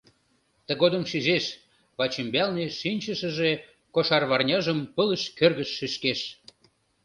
Тыгодым шижеш: вачӱмбалне шинчышыже кошарварняжым пылыш кӧргыш шӱшкеш.